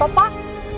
pak stop pak